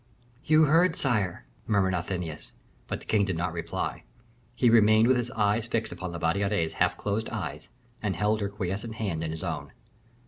"You heard, sire!" murmured Athenais. But the king did not reply; he remained with his eyes fixed upon La Valliere's half closed eyes, and held her quiescent hand in his own.